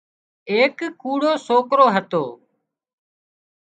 ايڪ ڪوڙو سوڪرو هتو